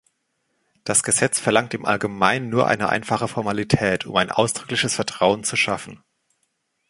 Das Gesetz verlangt im Allgemeinen nur eine einfache Formalität, um ein ausdrückliches Vertrauen zu schaffen.